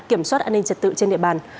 kiểm soát an ninh trật tự trên địa bàn